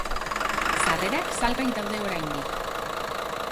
Sarrerak salgai daude oraindik.